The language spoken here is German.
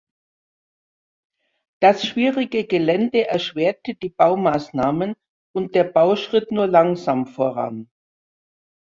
Das schwierige Gelände erschwerte die Baumaßnahmen und der Bau schritt nur langsam voran.